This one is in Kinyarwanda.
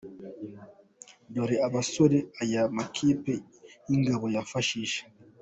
Dore abasore aya makipe y’ingabo yifashishije